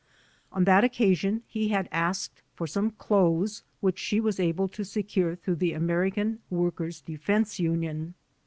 On that occasion he had asked for some clothes which she was able to secure through the American Workers Defense Union.